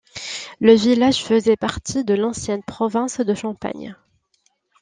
Le village faisait partie de l’ancienne province de Champagne.